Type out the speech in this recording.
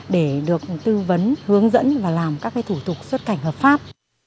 để được tư vấn hướng dẫn và làm các thủ tục xuất cảnh hợp pháp